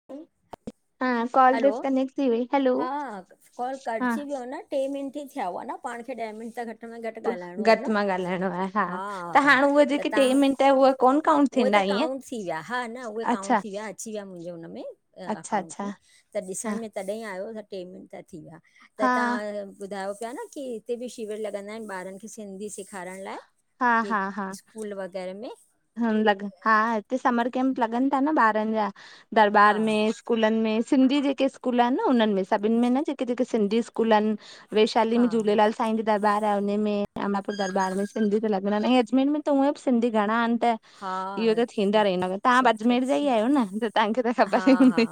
[inaudible] Call hello disconnect थी वई hello हा, कॉल हा कटजी वियो न? ट्रे मिनंट ही थिया हुआ न पाण खे ॾंह मिनंट घट घट में घट ॻाल्हाणो हो घटि न मां ॻाल्हाइणो आहे त हा, हाणे उहे त जेके टे तहां मिंट उहे कोन काउंट उहे थींदा त ईअं काउंट थी विया हा न उहे काउंट अच्छा थी विया अची विया मुंहिंजे उन में अच्छा अकाउंट में अच्छा त ॾिसण हा में तॾहिं आहियो त ट्रे मिंट थी विया त तां हा ॿुधायो पिया न की हिते बि शिविर लॻंदा आहिनि ॿारनि खे सिंधी सेखारण लाइ? हा के हा हा स्कूल वगैरह में। लॻ हा हिते समर कैम्प लॻनि था न ॿारनि जा हा दरबार में स्कूलनि में सिंधी जेके स्कूल आहिनि न उन्हनि में सभिनि में न जेके जेके सिंधीस्- स्कूलनि वैशाली हा में झूलेलाल साईं जी दरबार आहे हुनन में अमबापुर दरबार में सिंधी त लॻल आहिनि ऐं अजमेर में त उअं बि सिंधी घणा आहिनि। त हा इहो त थींदा रहिंदव, तहां बि सुठो अजमेर जा ही सुठो आहियो न? तव्हांखे त हा, ख़बर ही हा, हूंदी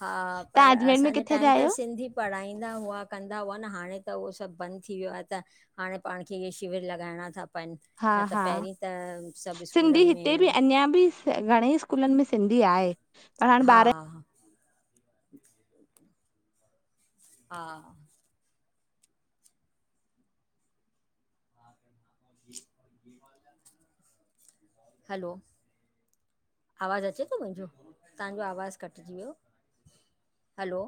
हा, पर असांजे टाइम त सिंधी पढ़ाईंदा हुआ कंदा हुआ न हाणे त उहो सभ बंद थी वियो आ त हाणे पाण खे इहे शिविर लॻाइणा था पनि हा न त हा पहिरीं त सभ स्कूलनि में इननि ॿिया भी स्कू घणे ही स्कूलनि में सिंधी आहे। पर हाणे हा ॿार हा। हलो आवाज़ अचे तो मुंजो तव्हांजो आवाज़ कटिजी वियो। हलो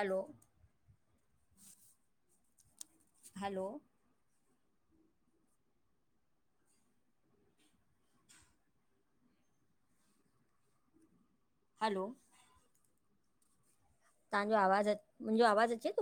हलो हलो हलो तव्हांजो आवाज़ अ मुंजो आवाज़ अचे तो?